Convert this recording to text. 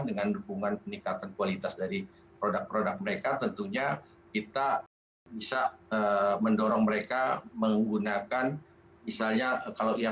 dengan hubungan peningkatan kualitas dari produk produk mereka tentunya kita bisa mendorong mereka menggunakan misalnya kalau ini itu produk produk yang lebih baik